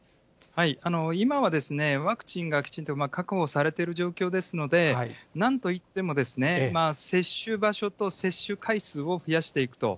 今はワクチンがきちんと確保されている状況ですので、なんといっても、接種場所と接種回数を増やしていくと。